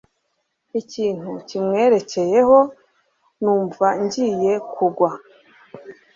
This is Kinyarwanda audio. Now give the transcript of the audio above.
Ikintu kimwerekeyeho numva ngiye kugwa